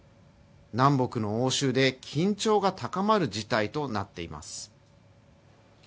南北の応酬で緊張が高まる事態となっています。